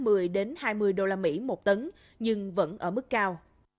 một mươi hai mươi usd một tấn nhưng vẫn ở mức cao